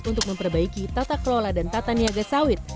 untuk memperbaiki tata kelola dan tata niaga sawit